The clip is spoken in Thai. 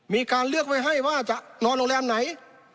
มีการเลือกไว้ให้ว่าจะนอนโรงแรมไหน